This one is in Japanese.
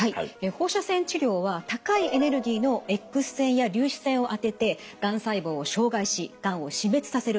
放射線治療は高いエネルギーのＸ線や粒子線を当ててがん細胞を傷害しがんを死滅させるという治療法です。